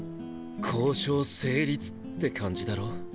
交渉成立って感じだろ？